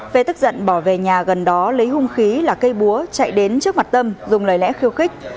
phê tức giận bỏ về nhà gần đó lấy hung khí là cây búa chạy đến trước mặt tâm dùng lời lẽ khiêu khích